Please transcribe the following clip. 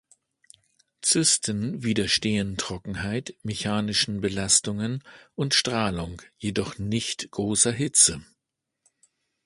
Zysten widerstehen Trockenheit, mechanischen Belastungen und Strahlung, jedoch nicht großer Hitze.